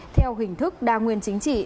theo hình thức đa nguyên chính trị